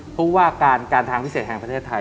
ผู้หวาการคันทางประเศษแห่งประเทศไทย